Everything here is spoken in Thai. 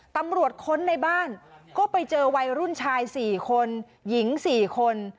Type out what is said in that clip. ค้นในบ้านก็ไปเจอวัยรุ่นชาย๔คนหญิง๔คน